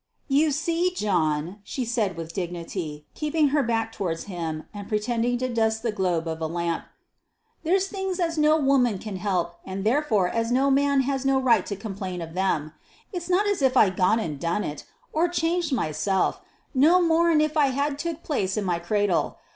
"You see, John," she said, with dignity, keeping her back towards him, and pretending to dust the globe of a lamp, "there's things as no woman can help, and therefore as no man has no right to complain of them. It's not as if I'd gone an' done it, or changed myself, no more 'n if it 'ad took place in my cradle.